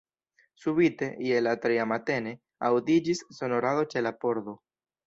Subite, je la tria matene, audiĝis sonorado ĉe la pordo.